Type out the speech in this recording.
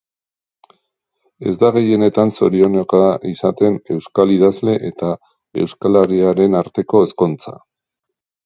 Ez da gehienetan zorionekoa izaten euskal idazle eta euskalariaren arteko ezkontza.